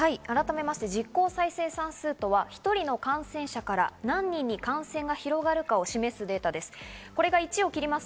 実効再生産数とは１人の感染者から何人に感染が広がるかを示すデータです。